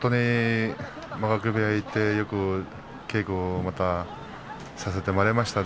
間垣部屋に行ってよく稽古をまたさせてもらいました。